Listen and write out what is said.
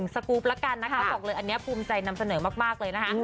สกรูปละกันนะคะบอกเลยอันนี้ภูมิใจนำเสนอมากเลยนะคะ